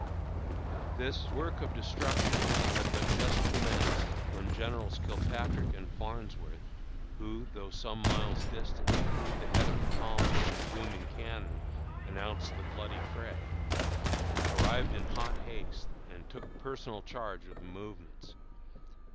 This work of destruction had but just commenced when Generals Kilpatrick and Farnsworth, who, though some miles distant at the head of the column when the booming cannon announced the bloody fray, arrived in hot haste and took personal charge of the movements.